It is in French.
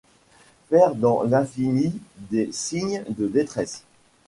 Faire dans l’infini des signes de détresse